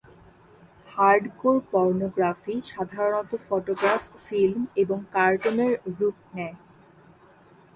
Hardcore pornography সাধারণত photograph, film এবং কার্টুনের রূপ নেয়।